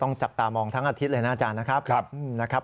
ต้องจับตามองทั้งอาทิตย์เลยนะอาจารย์นะครับครับนะครับ